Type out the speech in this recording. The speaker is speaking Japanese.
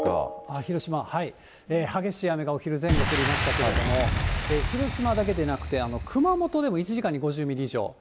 広島、激しい雨がお昼前後降りましたけれども、広島だけでなくて、熊本でも１時間に５０ミリ以上。